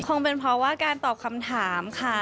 คงเป็นเพราะว่าการตอบคำถามค่ะ